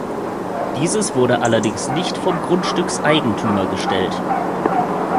Dieses wurde allerdings nicht vom Grundstückseigentümer gestellt.